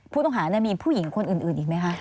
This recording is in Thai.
ผู้ต้องหามีผู้หญิงคนอื่นอีกไหมคะ